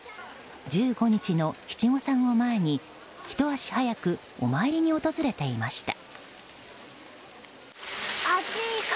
１５日の七五三を前にひと足早くお参りに訪れていました。